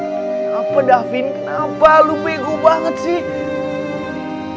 kenapa davin kenapa lu bego banget sih